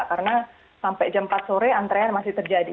karena sampai jam empat sore antrean masih terjadi